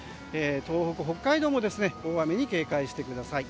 東北、北海道も大雨に警戒してください。